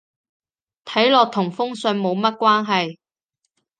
睇落同封信冇乜關係